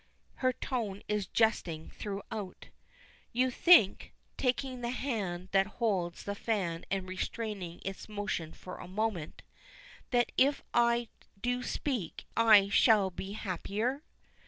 Her tone is jesting throughout. "You think," taking the hand that holds the fan and restraining its motion for a moment, "that if I do speak I shall be happier?"